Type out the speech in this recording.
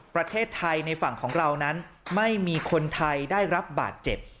ประเทศไทยในฝั่งของเรานั้นไม่มีคนไทยได้รับบาดเจ็บ